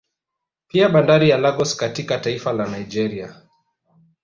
Pia bandari ya Lagos katika taifa la Nigeria